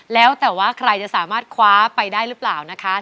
แล้วแต่ว่าใครจะสามารถคว้าไปได้หรือเปล่านะคะ